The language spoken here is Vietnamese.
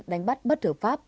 đánh bắt bất hợp pháp